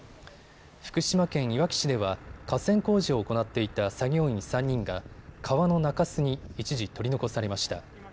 福島県いわき市では河川工事を行っていた作業員３人が川の中州に一時、取り残されました。